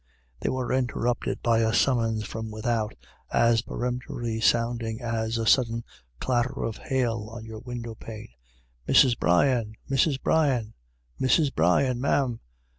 They were interrupted by a summons from without, as peremptory sounding as a sudden clatter of hail on your window pane :" Mrs. Brian — Mrs. Brian — Mrs. Brian, ma'am."